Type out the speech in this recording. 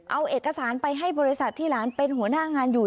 เอาเอกสารไปให้บริษัทที่หลานเป็นหัวหน้างานอยู่